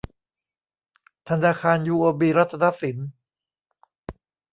ธนาคารยูโอบีรัตนสิน